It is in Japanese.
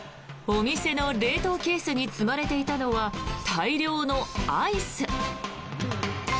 お店の冷凍ケースに積まれていたのは大量のアイス。